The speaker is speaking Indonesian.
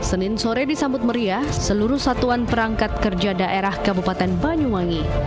senin sore disambut meriah seluruh satuan perangkat kerja daerah kabupaten banyuwangi